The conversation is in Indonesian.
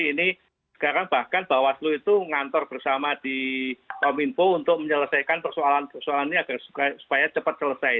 ini sekarang bahkan bawaslu itu ngantor bersama di kominfo untuk menyelesaikan persoalan persoalan ini agar supaya cepat selesai